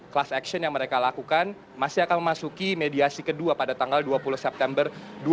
kelas aksi yang mereka lakukan masih akan memasuki mediasi kedua pada tanggal dua puluh september dua ribu enam belas